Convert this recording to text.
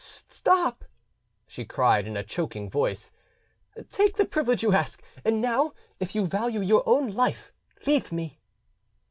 "Stop!" she cried in a choking voice; "take the privilege you ask, and now, if you value your own life, leave me."